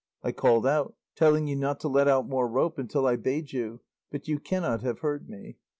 I called out, telling you not to let out more rope until I bade you, but you cannot have heard me.